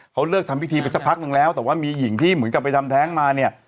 เขาเลิกทำพิธีไปสักพักนึงแล้วแต่ว่ามีหญิงที่เหมือนกับไปทำแท้งมาเนี่ย